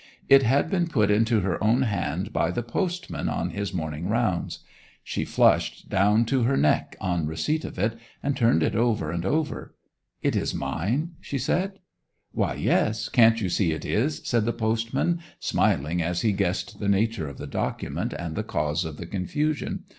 It had been put into her own hand by the postman on his morning rounds. She flushed down to her neck on receipt of it, and turned it over and over. 'It is mine?' she said. 'Why, yes, can't you see it is?' said the postman, smiling as he guessed the nature of the document and the cause of the confusion.